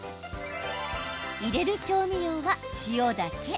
入れる調味料は塩だけ。